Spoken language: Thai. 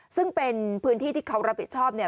ซึ่งเป็นพื้นที่ที่เขารับผิดชอบเนี่ย